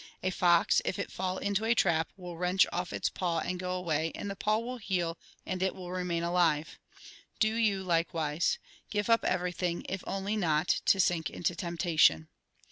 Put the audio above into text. A fox, if it fall into a trap, will wrench off its paw and go away, and the paw will heal and it will remain alive. Do you likewise. Give up every thing, if only not to sink into temptation.